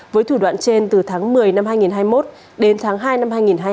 với thủ đoạn trên từ tháng một mươi năm hai nghìn hai mươi một đến tháng hai năm hai nghìn hai mươi hai